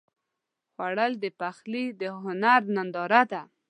خوړل د پخلي د هنر ننداره ده